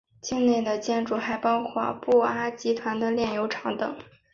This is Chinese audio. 境内的建筑还包括布阿集团的炼油厂等。